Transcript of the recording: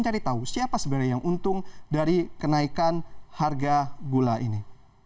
cari tahu siapa sebenarnya yang untung dari kenaikan harga gula ini